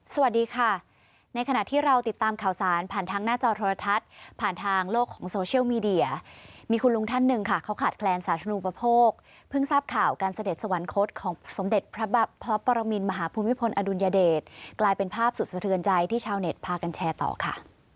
สวัสดีค่ะในขณะที่เราติดตามข่าวสารผ่านทางหน้าจอโทรทัศน์ผ่านทางโลกของโซเชียลมีเดียมีคุณลุงท่านหนึ่งค่ะเขาขาดแคลนสาธนูปโภคเพิ่งทราบข่าวการเสด็จสวรรคตของสมเด็จพระปรมินมหาภูมิพลอดุลยเดชกลายเป็นภาพสุดสะเทือนใจที่ชาวเน็ตพากันแชร์ต่อค่ะ